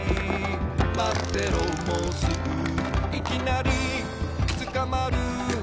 「まってろもうすぐ」「いきなりつかまる」